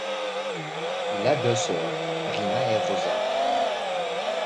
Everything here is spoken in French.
Il a deux sœurs, Rima et Rosa.